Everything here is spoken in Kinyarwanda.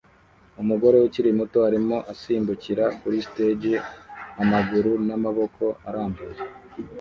Umugore ukiri muto arimo asimbukira kuri stage amaguru n'amaboko arambuye